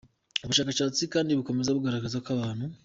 Ubushakashatsi kandi bukomeza bugaragaza ko abantu